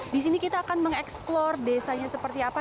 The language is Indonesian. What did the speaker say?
di sini kita akan mengeksplor desanya seperti apa